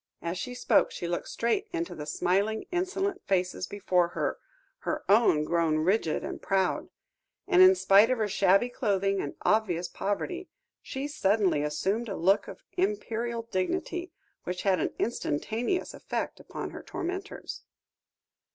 As she spoke, she looked straight into the smiling, insolent faces before her, her own grown rigid and proud; and in spite of her shabby clothing and obvious poverty, she suddenly assumed a look of imperial dignity, which had an instantaneous effect upon her tormentors.